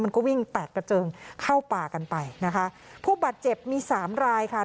มันก็วิ่งแตกกระเจิงเข้าป่ากันไปนะคะผู้บาดเจ็บมีสามรายค่ะ